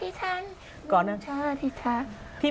มีหนึ่งคนไหนกูไอ้เยินไม่ได้